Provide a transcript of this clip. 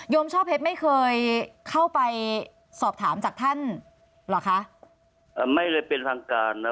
ช่อเพชรไม่เคยเข้าไปสอบถามจากท่านเหรอคะอ่าไม่ได้เป็นทางการนะ